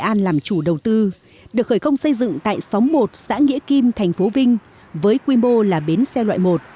an làm chủ đầu tư được khởi công xây dựng tại xóm một xã nghĩa kim thành phố vinh với quy mô là bến xe loại một